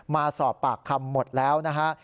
มาสอบปากคำหมดแล้วนะฮะ